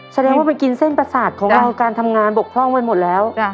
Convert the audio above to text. แสดงว่าไปกินเส้นประสาทของเราการทำงานบกพร่องไปหมดแล้ว